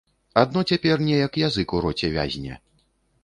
Адно цяпер неяк язык у роце вязне.